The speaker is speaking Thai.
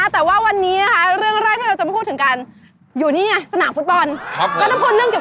สามารถรับชมได้ทุกวัย